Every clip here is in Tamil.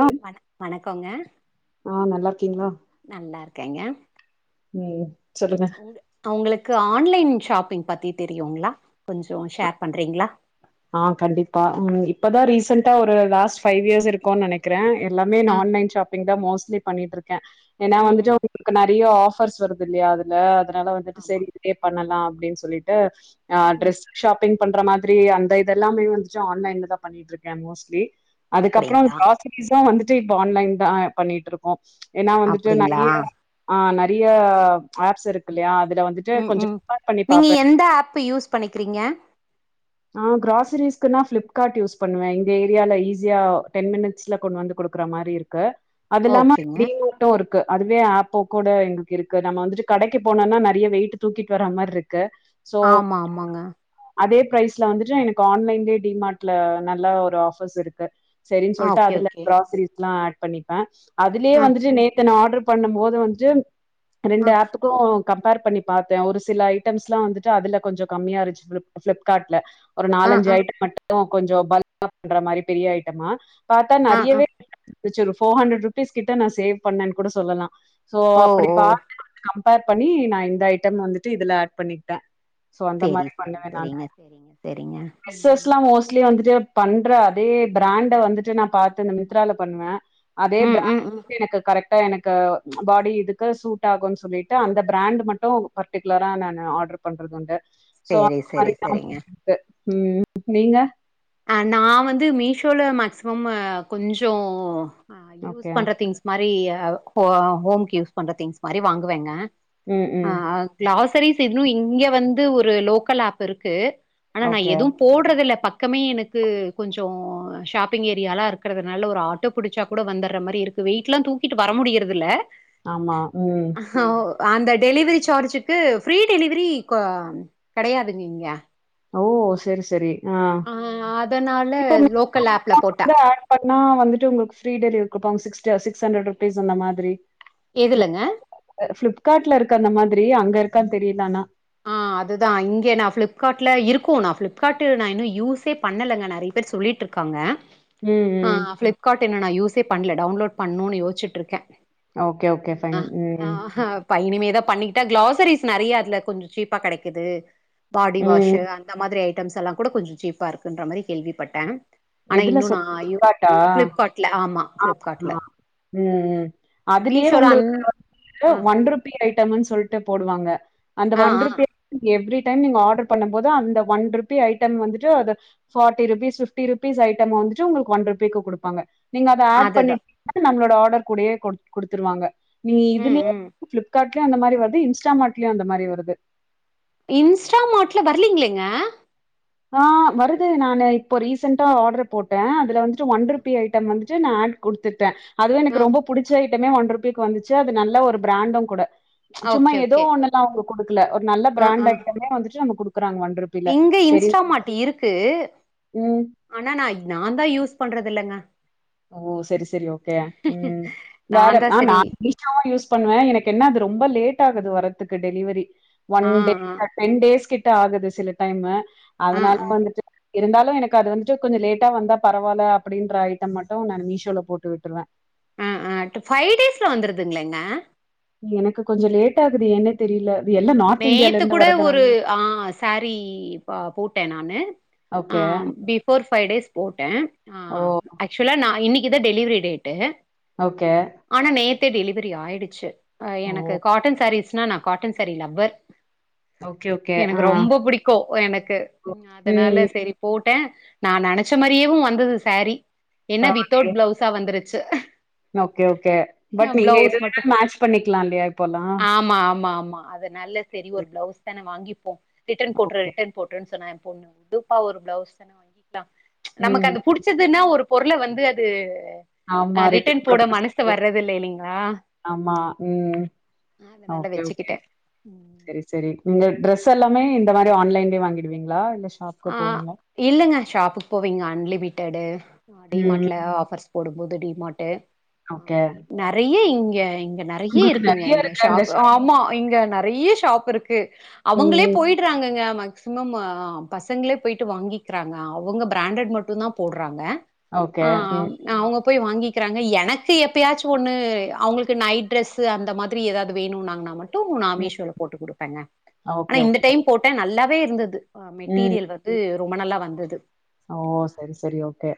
ஆ வணக் வணக் கோங்க ஆ நல்லா இருக்கீங்களா க்கேங்க ம் சொல்லுங்க உங்க அவங்களுக்கு ஆன்லைன் ஷாப்பிங் பத்தி தெரியுங்களா கொஞ்சோ ஷேர் பண்றீங்களா ஆ கண்டிப்பா ம் இப்பதா ரீசன்டா ஒரு லாஸ்ட் பைவ் இயர்ஸ் இருக்குன் நெனைக்கிற எல்லாமே நா ம் ஆன்லைன் ஷாப் பிங்தா மோஸ்லி பண்ணிட்ருக்க ஏன்னா ம் வந்துட்டு ம் உங்களுக்கு நறையா ஆஃப் பர்ஸ் வருது இல்லையா அதுல அதன் னால வந்துட்டு ஆமா சேரி இது பே பண்ணலா அப்டின்ஸ் சொல்லிட்டு ஆ ம் டிரெஸ் ஷாப்பிங் பண்ற மா திரி அந் த இதெல்லாமே வந்துட்டு ஆன்லைன்லதா பண்ணிட்ருக்க மோஸ்ட்லி அதுக்கப்புறம் அப்டிங்களா கிராசரிஸ்ஸு வந்துட் டு இப்ப ஆன்லைன்தா பண்ணிட்டு இருக்கோ ஏன்னா வந்துட்டு அப்டிங்களா நறையா ஆ நறையா ஆப்ஸ் இருக்குல்லையா ம் ம் நீங்க எந்த ஏப் யூஸ் பண்ணிக்கிறீங்க ஆ கிராசரிஸ்க்குன்னா பிளிப்கார்ட் யூஸ் பண்ணுவ இந்த ஏரியால ஈஸியா டென் மினிட்ஸ்ல கொண்டு வந்து குடுக்குற மாரி இருக்கு அது இல்லாம ஓகேங்க அப்டியே [inaudible] இருக் கு அதுவே அப்போ கூட எங்க இருக்கு நம்ம வந்துட்டு கடைக்கு போனோனா நறையா வெயிட்டு தூக்கிட்டு வர மார் இருக் கு சோ ஆமா ஆமாங்க அதேப் பிரைஸ் ல வந்துட்டு எனக்கு ஆன்லைன்லயே டிமார்ட்ல நல்லா ஒரு ஆஃப்பர்ஸ் இருக்கு சேரின் ஆ சொல்ட்டு ஓகே அதுல ஓகே கிராசரிஸ் எல்லா ஏட் பண்ணிப்ப அதுலயே ஆ வந்துட்டு நேத்து நா ஆர்டர்ப் பண்ணும் போது வந்துட்டு ஆ ரெண்டு ஆத்துக்கு கம்பேர் பண்ணி பாத்தே ஒரு சில ஐட்டம்ஸ்ல்லா வந்துட்டு அதுல கொஞ்சோ கம்மியா இருந்துச்சுப் ஃபிளிப்காட்ல ஒரு ஆ நாலஞ்சு ஆ அய்டம் மட்டும் கொஞ்சோ பல்கா பண்ற மாரி பெரிய ஐட்டமா பாத்தா ஆ ஆ நெறயாவே ஒரு ஃபோர் ஹண்ட்ரட் ருபீஸ் கிட்ட நா சேவ் பண்ணேனு கூட சொல்லலா சோ ஓ அப்டி ஓ பா கம்பேர் பண்ணி நா இந்த ஐட்டம் வந்துட்டு இதுல ஆட் பண்ணிகிட்டே செரி செரி செரிங்க எக்ஸ் ஸ்லா மோஸ்லி வந் வந்துட்டு பண்ற அதே பிராண்ட வந்துட்டு நாபாத்து இந்த மித்ரால பண்வே அதே ம் பிரண்டு ம் ம் எனக்கு கரெக்ட் எனக்கு பாடி இதுக்கு சூட் ஆகும்ன்னு சொல்லிட்டு அந்த பிராண்டு மட்டு பர்டிகுலராக நா ஆர்டர் பண்றது உண்டு சோ சேரி சேரி அதுக் சேரிங்க உம் நீங்க அ நான் வந்து மீஷோல மேக்சிமம் கொஞ்சோ ஆ யூஸ் ஓகே பண்ற திங்ஸ் மாரி ஹோம்க்கு யூஸ் பண்ற திங்ஸ் மாரி வாங்குவேங்க ம் ஆ ம் க்ளாஸ் சரிஸ் இன்னு இங்க வந்து ஒரு லோக்கல் ஆப் இருக்கு ஆனா நா ஓகே எதும் போடுறது இல்ல பக்க பக்கமே எனக்கு கொஞ்சோ ஷாப்பிங் ஏரியாலா இருக்குறதுனால ஒரு ஆட்டோ பிடிச்சா கூட வந்துடுற மாதிரி இருக்குது வெயிட்லா தூக்கிட்டு வர முடியறதில்ல ஆமா உம் அந்த டெலிவரி சார்ஜுக்கு ஃப்ரீ டெலிவரி இப்போ கெடையாதுங்க இங்க ஓ செரி செரி ஆ அ அதனால இப்ப லோக்கல் ஆப்ல போட்டா வட் பண்ணா வந்துட்டு உங்களுக்கு ஃப்ரீ டெலிவரி குடுப்பாங்க சிக்ஸ் ஹண்ட்ரட் ருபீஸ் அந்த மாதிரி எதுலங்க ஃபிளிப்காட்ல இருக்கு அந்த மாரி ஃப்ரீ அங்க இருக்கான் தெரியல ஆனா ஆ அதுதா இங்கே நா ஃபிளிப்காட்ல இருக்கு நா ஃபிளிப்காட்ல நா இன்னு யூஸே பண்ணலங்க நெறய பேர் சொல்லிட்டு இருக்காங்க ம் ஆ ம் ஃப்ளிப்காட் இன்னு நா யூஸ் இதே பண்ல டவுன்லோட் பண்ணும்னு யோசிச்ட்டு இருக்கே ஓகே ஓகே ஃபைன் ம் பையணமே தா பண்ணிக்கிட்டா களாசரிஸ் நிறையாதுல கொஞ் சீப்பா கெடைக்குது பாடி ம். வாஷு அந்த மாதிரி ஐ டம்ஸ் எல்லாம் கூட கொஞ்சம் சீப்பா இருக்குன்ற மாரி கேள்விப்பட்டே எதுல சொட்டா ஃபிலிப்காட்டா ஃப்ளிப்கார்ட்ல ஆமா ஆமா ஃப்ளிப்கார்ட்ல ஆ ம் அதுலயே மீஷோல அந் உங்களுக்கு வந்து ஆ ஒன்ருபி ஐட்டம்ன்னு சொல்லிட்டு போடுவாங்க அந்த ஆ ஒன் ஆ ருபி எப்டி டைம் நீங்க ஆர்டர் பண்ணு போது அந்த ஒன் ருபி ஐட்டம் வந்துட்டு அது ஃபார்ட்டி ருபீஸ் ஃபிப் ஃபிப்டி ருபிஸ் ஐட்டம வந்துட்டு உங்களுக்கு ஒன் ரூபிக்கு குடுப்பாங்க நீங்க அத ஆட் அதுதான் பண்ணீடிங்னா நம்மளோட ஆர்டர் தொட கூடையே குடு குடுத்துருவாங்க நீ ம் இதுலியே ம் ஃப்ளிப்க்கார்ட் [unintelligible] அந்த மரி வருது இன்ஸ்டாமட்லயும் அந்த மரி வருது இன்ஸ்டாமார்ட்ல வரலீங்ளீங்க ஆ வருது நானு இப்போ ரீசன்டா ஆர்டர் போட்டே அதுல வந்துட்டு ஒன் ருபி ஐட்டம் வந்துட்டு நா ஆட் குடுத்துட்டே அதுவே எனக்கு ம் ரொம்ப புடிச்ச ஐ பமே ஒன் ரூபிக்கு வந்துச்சு அது நல்ல ஒரு பிராண்டு கூட சும்மா ஓகே ஏதோ ஓகே ஒன்னெல்லா அவுங் இல்ல ஒரு நல்ல ஆ பிராண்ட் ஆ ஐட்டமே வந்துட் நம்ம குடுக் இருக்கறாங்க வன் ருப்பில சரி மாட்டி இருக்கு ம். ஆனா நா நா தா யூஸ் பண்றது இல்லங்க ஓ சரி சரி ஓகே ம் நா வேற தா ஆ நா சரி இன்ஸ்டாவா யூஸ் பண்ணுவே எனக்கு என்ன அது ரொம்ப லேட் ஆகுது வரதுக்கு டெலிவரி ஒன் ஆ டே ஆ டென் டேஸ் கிட்ட ட ஆகுது சில டைம்மு ஆ அதனால வந்துட்டு இருந்தாலு எனக்கு அது வந்துட்டு கொஞ்சோ லேட்டா வந்தா பரவாயில்ல அப்டின்றாய் த்த மட்டு நானு மீஷோல போட்டு விட்டுருவே அ ஆ ஃபைவ் டேஸ்ல வந்துருதுங்களேங்க நீ எனக்கு கொஞ்ச லேட் ஆகுது என்ன தெரியல இது எல்லாம் நார்த் நேத்து இந்தியாலருந்து கூட ஒரு வரதுனால. ஆ சாரி போட்டே நானு ஓகே. ஆ பிஃபோர் ஃபைவ் டேஸ் போட்டே ஆ ஓ! ஆக்சுவலா நா இன்னைக் இத டெலிவரி டேட்டு ஓகே த்த டெலிவரி ஆயிடுச்சு ஆ ஓ! எனக்கு காட்டன் சாரீஸ் ட்டன் நா காட்டன் சாரில அவர் ஓகே, ஓகே. ஆ. எனக்கு ரொம்ப புடிக்கு எனக்கு. ம் அதனால ம். சரி போட் ட்டன் நா நெனச்ச மாறியேவு வந்தது சாரி என்ன பரவால்லையே. வித்தவுட் பிளவுஸா வந்துரு ச்ச ஓகே ஓகே பட் நீங்க எதவேணா மட்டு மேட்ச பண்ணிக்கலா இல்லையா இப்போலா நல்ல சரி ஒரு ப்ளவுஸ் தானே வாங்கி போ ரிட்டன் போட்ரு ஓகே. ரிட்டன் போட்ருனு சொன்னா பொண்ணு உடுப்பா ஒரு பிளவுஸ் தானே வாங்கி நமக்கு ம். அது புடிச்சதுன்னா ஒரு பொருள வந்து அது ஆமா. ஆ ரிட்டர்ன் ரிட்டன் போட ப்ராசஸ் மனசு இருக்கு. வர்றது இல்ல இல்லைங்களா ஆமா. ம். நா அதனால ஓகே, ஓகே. வச்சுக்கிட்டே சரி சரி உங்க ட்ரஸ் ஸ் எல்லாமே இந்த மாரி ஆன்லைன்லே வாங்கிடுவீங்களா இல்ல ஷாப்க்கு ஆ போவீங்களா? இல்லங்க ஷாப்புக்கு போவீங்க அன்லிமிட் எட்டடை ம். டிமார்ட்ல ஆஃபர்ஸ் போடும்போது டிமாட்டே ஆ ஓகே. இப்ப நெறய இ கேரிங் நெறய உங்களுக்கு இருக்குங்க நெறைய இங்க இருக்கா இந்த ஷாப் ஆமா இங்க நெறய ஷாப் கே ம், அவுங்களே ம். போயிடறாங்கங்க ம சிமம்மா பசங்களே போய்ட்டு வாங்கிக்கிறாங்க அவுங்க பிராண்டட் மட்டும் தான் போடுறாங்க ஓகே. ஆ ம், அவுங்க போய் வாங்கிக்கிறாங்க எனக்கு எப்பயாச்சும் ஒன்று அவுங்களுக்கு நைட் ட்ரெஸ் அந்த மாதிரி ஏதாவது வேணும் நாங்கனா மட் டும் ம். நாமிஷலம் போட்டு குடுப்பேங்க ஆனா ஓகே, இந்த ஓகே. டைம் போட்டேன் நல்லாவே இந்தது ஆமா ம். மெட்டீரியல் வந்து ரொம்ப நல்லா வந் அது ஓ செரி செரி ஓகே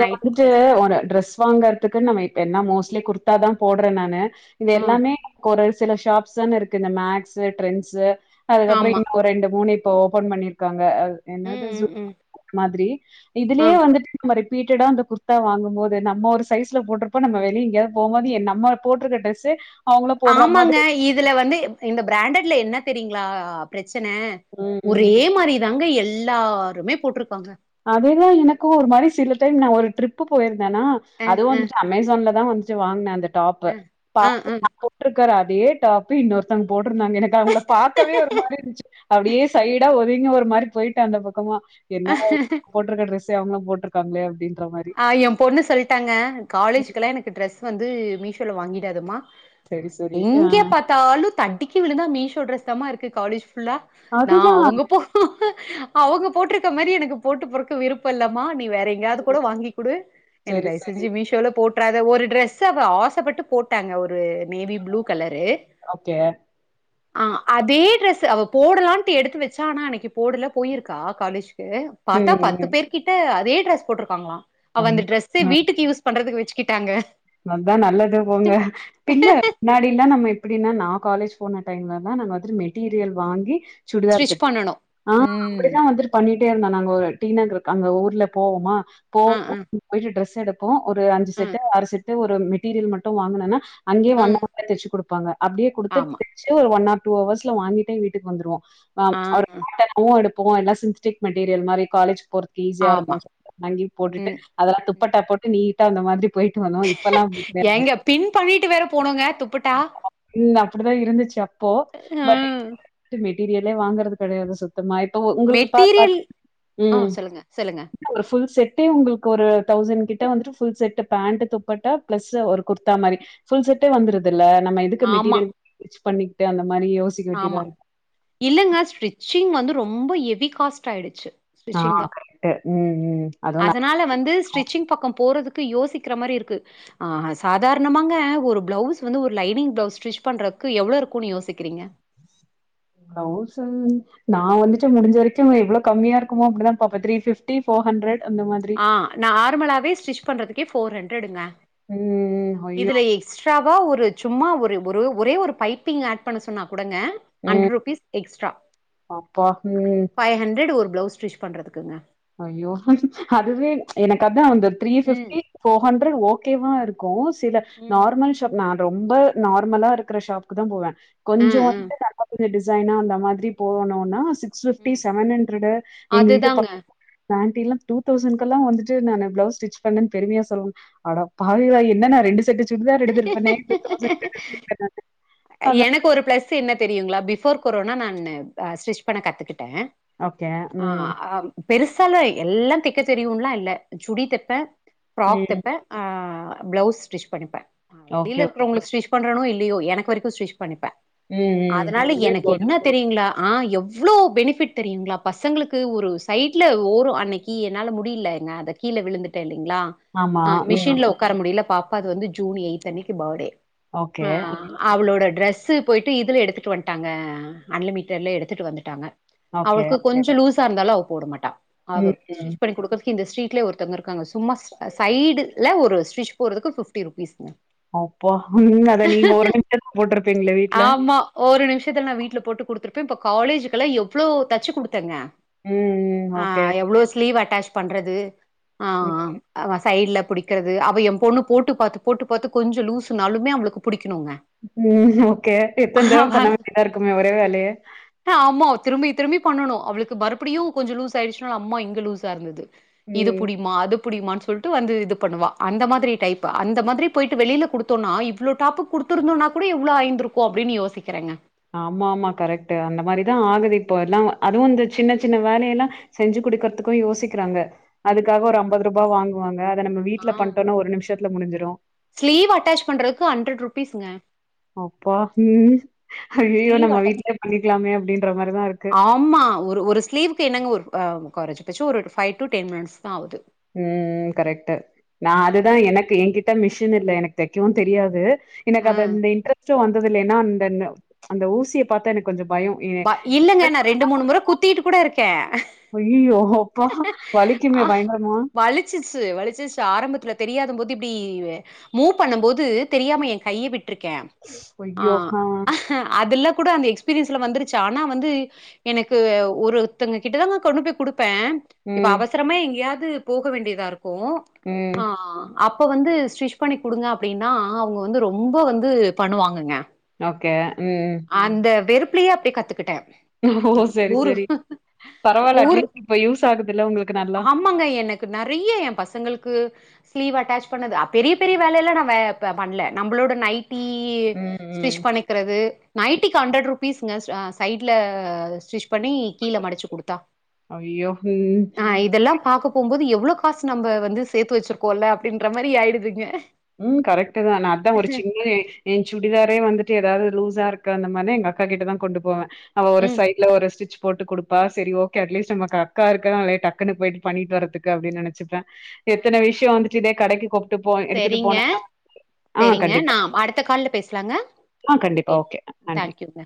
நைட் ட்ரெஸ் ஒரு ட்ரெஸ் வாங்கறதுக்குன்னு நம்ம என்ன மோஸ்ட்லி குர்த்தா தான் போடுறேன் நான்னு இது ஆ எல்லாமே ஒரு சில ஷாப்ஸ் தானே இருக்கு இந்த மேக்ஸ்ஸு ட்ரெண்ட்ஸ்ஸு அதுக்கப்புறம் ஆமா இன்னும் ஒரு ரெண்டு மூணு இப்ப ஓபன் பண்ணியிருக்காங்க அ ம் என்னத்த ம் சொல் ம் ப்டி ஆ இதுலயே வந்துட்டு ரிப்பீட்டட்டா அந்த குர்த்தா வாங்கும் போது நம்ம ஒரு சைஸ்ல போட்டிருப்போம் நம்ம வெளிய எங்கயாவது போ போது நம்ம போட்டிருக்க டிரெஸ்ஸு ஆமாங்க இதுல வந்து எப்டி இந்த பிராண்ட்ல என்ன தெரியுங்களா பிரச் சனை ம் ஒரே ம் மாதிரி தாங்க எல் எல்லாருமே போட்டிருக்காங்க அதேதான் எனக்கும் ஒரு மாதிரி சில டைம் நான் ஒரு ட்ரிப் போயிரு ந்தேனா அ, அதுவும் அ, வந்துட்டு அமேஸ்சான்ல தான் வந் துட்டு வாங்கினேன் அந்த டாப்பு அ, அ, டாப்பு அ. [unintelligible] ருக்கற அதே டாப் இன்னோர்தங்க போட் இருந்தாங்க எனக்கு அவுங்கள பார்க்கவே ஒரு மாதிரி இருந்துச்சு அப்டியே சைடா ஒதுங்க ஒரு இது மாரி போயிட்டு அந்த பக்கமா என்னடா போட்டிருக்க டிரெஸ்சே அவுங்களும் போட்டிருக்காங்களே அப்டின்னு ஆ எ பொண்ணு சொல்டாங்க காலேஜ்கொல்லா எனக்கு ட்ரெஸ் வந்து மீஷ் மீஷோல வாங்கிடாதமா செரி செரி ஆ எங்கே பாத்தாலும் தட்டிக் டி விழுந்தா மீஷோ ட்ரஸ் தா மா இருக்கு காலேஜ் ஃபுல்லா நா அதுதா அவுங்க போ அவுங்க போட்டுருக்க மாரி எனக்கு போட்டு போறக்கு விருப்பல்லாமா நீ வேற கூட வாங்கி குடு எனக்கு செரி தயவு செரி செஞ்சி மீஷோல போட் றாத ஒரு ட்ரெஸ்ஸ அவா ஆசப்பட்டு போட்டாங்க ஒரு நெவி ப்ளூ கலரு ஓகே ஆ அதே ட்ரெஸ் அவா போடலான்ட்டு எடுத்து வச்சா ஆனா அன்னைக்கு போடல போயிருக்கா காலேஜ் இது பாத்தா ம் பத்து ம் பேர் கிட்ட அதே ட்ரெஸ் போட்ருக்காங்களா அவா அந்த ஐயோ டிரெஸ்ஸ வீட்டுக்கு யூஸ் பண்றதுக்கு வச்சு கிட்டாங்க அதான் நல்லது போங்க பின்ன முன்னாடிலா நம்ம எப்டினா நா காலேஜ் போன டைம்ல தா இந்த மாரி மெட்டீரியல் வாங்கி சுடிதார் ஸ்டிச் தைப் பண்ணனு ஆ ம் அப்டிதா வந்துட் பண்ணிட் டே இருந்தா நாங்க ஒரு டி நகர்க் அங்க ஊர்ல போவோமா ஆ போவோ ஆ போய்ட்டு ட்ரஸ் எடுப்போ ஒரு அஞ்சு ஆ செட்டு ஆறு செட் ஒரு மெட்டீரியல் மட்டும் வாங்னன்னா அங்யே ஆ ஒன் ஹர்ல தச்சுகுடுப்பாங்க அப்டியே குடுத்து ஆமா. தச்சி ஒரு ஒன் ஹர் டூ ஹவர்ஸ்ல வாங்கிட்டே வீட்டுக்கு வந்துருவோ ஆ ஒரு பேட்டர்னு எடுப் போ எல்லா சின்டிக் மெட்டீரியல் மாரி காலேஜ் போறத்துக்கு ஆமா. ஈஸியாருக்கும் சொல்ட்டு அங்கியும் போட்டுட்டு ம். அதெல்லா ம். துப்பட்டா போட்டு நீட் ட்ட அந்த மாதிரிப் போய்ட்டு வந்தோ இ இப்பெல்லா அப்டி கெடையாது ஏங்க பின் பண்ணிட்டு வேற போனோங்க துப்பட்டா. ம் அப்டி தா இருந்துச்சு அப்போ பட் ம். [unintelligible] சீரியல்லே வாங்கறது கெடையாது சிஸ் மா இப்போ உங்களுக்கு பா மெட்டீரியல் ஆ உம் சொல்லுங்க, சொல்லுங்க. இரு புல் செட் உங்களுக்கு ஒரு தௌசண்ட் கிட்ட வந்துட்டு full set pant dupatta plus ஒரு குர்த்தா மாரி ஃபுல் செட்டே வந்துருது ல நம்ம எதுக்கு ஆமா, மெட்டீரியல் பண்ணிக்கிட்டே அந்த மாரி யோசிக்க வேண்டியதா ஆமா இருக்கு இல்லங்க ஸ்ட்ச்சிங் வந்து ரொம்ப ரொம்ப ஹெவி காஸ்ட் ஆயிடுச்சு ஆ ஸ்டிச்சிங் தா கரெக்ட் ம் ம் அதுவும் நல்லா அதனால வந்து ஸ்டிச்சிங் பக்கம் போறதுக்கு யோசிக்கிற மாரி இருக்கு சாதாரணமாங்க ஒரு பிளவுஸ் வந்து ஒரு லைனிங் பிளவுஸ் ஸ்டிச் பண்றதுக்கு எவ்வளவு இருக்கு குனு யோசிக்கிறீங்க ப்ளவுஸ் நா வந்துட்டு முடிஞ்ச வரைக்கு எவ்வளவு கம்மியா இருக்குமோ அப்டிதா பாப்பே த்ரீ பிப்டி போர் ஹண்ட்ரட் அந்த மாதிரி ஆ நார்மலாவே ஸ்டிச் பண்றதுக்கு கே ஃபோர் ஹண்ரடுங்க ம் ஐயோ இதுல எக்ஸ் ட்ராவா ஒரு சும்மா ஒரு ஒரு ஒரே ஒரு பைப்பிங் ஆட் பண்ண சொன்னா கொடுங்க ஹண்ட்ரட் ம் ருபீஸ் எக்ஸ்ட்ரா அப்பா ம் ஃபைவ் ஹண்ட்ரட் ஒரு ப்ளவுஸ் ஸ்டிச் பண்ணுறதுக்குங்க அய்யோ ம்ம் அதுவே எனக்க அந்த three hmm fifty four hundred ஓகேவா இருக்கு கோர்ச் ல்ல ம் நார்மல் ஷாப் நா ரொம்ப நார்மலா இருக்ற ஷாப்க்கு தா போவே கொஞ்சோ ம் வந்து.... டிசைனா அந்த மாரி போகணுனா six fifty hmm seven hundred எங்க வீட்டு அதுதாங்க பக்கத் அந்த ஆன்டிலா டூதவுசண்கெல்லா வந்துட்டு நா பிளவுஸ் ச்டிச் பண்ணென்னு பெருமையா சொல்லுவாங்க அடப்பாவிகளா என்ன நா ரெண்டு செட்டு சுடிதார் எடுத்துருப்பனே டூதவுசன்கு நானு எனக்கு ஒரு பிளஸ் என்ன தெரிய ங்களா பிவோர் கொரனா நானு ஸ்டிச் பண்ண கத்துக்கிட்ட ஓகே உம் பெருசாலா எல்லா தெக்க தெரியும்லா இல்ல சுடி தெப்பே ப்ராக் ம். தெப்பே ஆ ப்ளவுஸ் ஸ்டிச் பண்ணிப்பே ஆ வெளில ஓகே, ஓகே. இருகுறவங்களுக்கு ச்டிச் பண்றனோ இல்லையோ எனக்கு வரைக்கு இப்ப ச்டிச் பண்ணிப்பே ம், ம். அதனால அதுவே எனக்கு போதும். என்ன தெரியுங்களா ஆ எவ்வளோ பெனிஃபிட் தெரியுங்களா பசங்களுக்கு ஒரு சைடில ஓரு அன்னைக்கு என்னால முடியல எங்க அந்த கீழே விழுந்துட்டேனு ங்களா ஆமா. அ ம். மிஷின்ல உட்கார முடியல பா இப்போ அது வந்து ஜூன் எயிட்த் அன்னைக்கு பர்டே ஓகே அவளோட டிரெஸ்ஸு போய்ட்டு இதில எடுத்துட்டு வன்ட்டாங்க அன்லிமிட்டட்ல எடுத்துட்டு வந்துட்டாங்க ஓகே. அவளுக்கு கொஞ்சோ லூஸ் ச இருந்தாலு அவ போட மாட்டா அவ ம், ம். ஸ்டிச் பன்னி கொடுக்றதுகு இந்த ச்ரி லே ஒருத்தவங்க இருக்காங்க சும்மா சைடல ஒரு ஸ்டிச் போறதுக்கு ஃபிப்டி ருபீஸ் அப்பா ம் அத நீங்க ஒருடம் ஆமா ஒரு நிமிஷத்துல நா வீட்டு்ல போட்டு குடு குடுத்திருப்பே இப்ப காலேஜுக்குலா எவ்ளோ தைச்சு குடுத்தேங்க ம், ம். ஆ ஓகே. எவ்ளோ ஸ்லீவ் அட்டாச் பண்றது ஆ ம், ஆ ஆமா சைட்ல பிடிக்கிறது அவ என் பொண்ணு போட்டு பார்த்து போட்டு பார்த்து கொஞ்சோ லூசுனாலுமே அவளுக்கு புடிக்கணுங்க ம் ஓகே எத்தன தடவ பண்ண வேண்டிதா இருக்குமே ஒரே வேலைய இப்ப மறுடியு கொஞ்சம் லுசு ஆயிடுச்சுனா அம்மா இங்க லுசா இருந்தது இது ம். புடிமா அது எப்புடிமானு சொல்லிட்டு வந்து இது பண்ணுவா அந்த மாதிரி டைப்பு அந்த மாதிரி போயிட்டு வெளியிலகொடுத்தானா இவ்வளோ யாப்பு குடுத்துருந்தனா ஒப்டி இவ்வளோ ஆயந்திருக்கு அப்டினு யோசிக்கிறேங்க ஆமா ஆமா கரெக்ட் அந்த மாதிரிதா ஆகுது இப்போ எல்லாம் அதுவும் இந்த சின்ன சின்ன வேலையெல்லா செஞ்சு குடுக்கறத்துக்கு யோசிக்கிறாங்க அதுக்காக ஒரு ஐம்பது ரூபாய் வாங்குவாங்க அத நம்ம வீட்ல ஆ பண்ணிட்டோம்னா ஒரு நிமிஷத்துல முடிஞ்சிரும். ஸ்லீவ் அட்டாச் பண்றதுக்கு அன்ட்ரட் ருபீஸ்ங்க அப்பா ம் ஒரு ஐயய்யோ! ஸ்லீவ் நம்ம அட்டாச் வீட்லயே பண்ணிக்கலாமே! அப்டின்ற மாரி தான் இருக்கு. ஆமா ஒரு ஒரு ஸ்லீவுக்கு என்னங்க ஒரு கொறஞ்சபட்சம் ஒரு ஃபைவு டு டென் மினிடஸ் தா ஆகுது ம் கரெக்ட் நா அதுதா அது எனக்கு என்கிட்ட மிஷன் இல்ல எனக் தெக்கவு தெரியாது எனக்கு அது ம் இந்த இன்ட்ரெஸ்ட்டு வந் திதில ஏனா அந்த ந அந்த ஊசிய பாத்தா எனக்கு கொஞ்சோ பயோ ஏ ப இல்லங்க நா ரெண்டு மூணு முற குத்திட்டு கூட இருக் கே ஐயையோ அப்பா வலிக்குமே ஆ பயங்கரமா வலிச்சுச்சு வலிச்சிச்சு ஆரம்பத்துல தெரியாத புத்தி ப்டி மூவ் பண்ணும் போது தெரியாம ஏ கைய விட் ட்ருக்கே ஆ அதுல கூட அந்த எக்ஸ் பிரிஸ்ல வந்திருச் ச்சி ஆனா வந்து எனக்கு ஒருத்தங்க கிட்ட தாங்க கொண்டு போய் குடுப் பே இப்ப ம் அவசரமா எங்கியாது போக வேண்டியதா இருக் கு ம் ஆ அப்ப வந்து ஸ்டிச்ஷ் பண்ணி குடுங்க அப்பிடின்னா அவுங்க வந்து ரொம்ப வந்து பண்ணுவாங்கங்க ஓகே ம் அந்த வெறுப் பிலியே அப்பிடி கத்துக்கிட்டடோ ஓ சேரி சேரி பரவாயில்ல ஊரு அட்லீஸ்ட் இப்ப யூஸ் ஆகுதுல்ல உங்களுக்கு நல்லா ஆமாங்க சிவு அட்டாச் பண்ணது அ பெரிய பெரிய வேலல்லா நா வே ப பண்ணல நம்பளோட நைட் டி ம் ம் ஸ்டிரிச் பண்ணிக்கிறது நைட்டுக்கு ஹண்ட்றடு ருபீஸ்ங்க ச சைட்ல சிட்டிரி பண்ணி கீழ மடிச்சி குடுத்தா ஐயோ ம் ஆ இதெல்லாம் பாக்க போம்போது எவ்ளோ காசு நம்ப வந்து சேத்து வச்சிருக்கோல்ல அப்டின்ற மாரி ஆயிடுதுங்க ம் கரெக்ட் தா நா அதா ஒரு சின்ன ஏ சுடிதாரே வந்துட்டு ஏதாது லூஸ் ஸா இருக்க அந்த மாரினா எங்க அக்கா கிட்டதா கொண்டு போவே அவ ஒரு ம் சைட்ல ஒரு ஸ்டிரிச் போட்டு குடுப்பா சேரி ஓகே அட்லீஸ்ட் நமக்கு அக்கா இருக்கனாளே டக்குனு போயிட்டு பண்ணிட்டு வரதுக்கு அப்பிடினு நெனச்சுப்பே எத்தன விஷயோ வந்துட்டு இதே கடைக்கு கொப் சேரிங்க சேரிங்க கண்டிப்பா. நா அடுத்த கால்ல பேசலாங்க ஆ கண்டிப்பா. ஓகே நன்றி. தேங்க்யூங்க